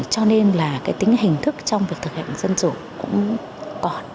cho nên là cái tính hình thức trong việc thực hành dân chủ cũng còn